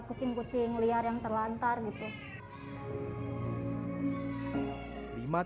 kucing kucing yang diantar ke rumah singgah klau